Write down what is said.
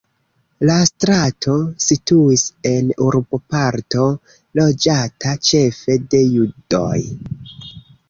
La strato situis en urboparto loĝata ĉefe de judoj.